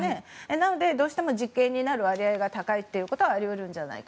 なので、どうしても実刑になる割合が高いということはあり得るんじゃないか。